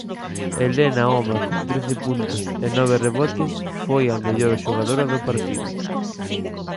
Helena Oma con trece puntos e nove rebotes foi a mellor xogadora do partido.